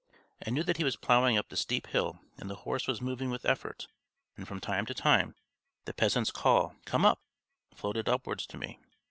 I knew that he was ploughing up the steep hill and the horse was moving with effort, and from time to time the peasant's call "come up!" floated upwards to me.